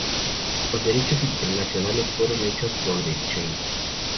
Los derechos internacionales fueron hechos por The Exchange.